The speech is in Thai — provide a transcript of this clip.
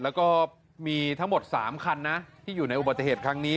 แล้วก็มีทั้งหมด๓คันนะที่อยู่ในอุบัติเหตุครั้งนี้